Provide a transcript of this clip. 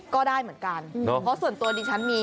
ก็ได้เหมือนกันเพราะส่วนตัวดิฉันมี